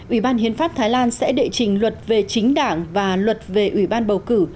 ủy ban hiến pháp thái lan sẽ đệ trình luật về chính đảng và luật về ủy ban bầu cử